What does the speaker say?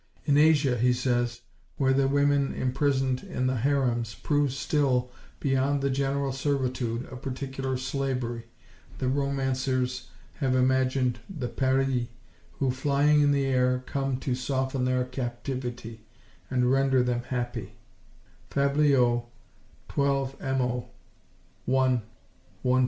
In Asia, he says, where the women imprisoned in the harems, prove still, beyond the general servitude, a particular slavery, the romancers have imagined the Peris, who, flying in the air, come to soften their captivity, and render them happy (Fabliaux, 12mo. i. 112).